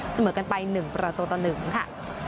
เสมอกันไป๑ประตูต่อ๑ค่ะ